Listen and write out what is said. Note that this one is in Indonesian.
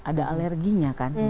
ada alerginya kan